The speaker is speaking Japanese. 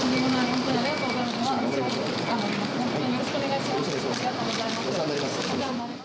よろしくお願いします。